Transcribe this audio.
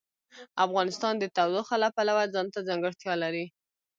افغانستان د تودوخه د پلوه ځانته ځانګړتیا لري.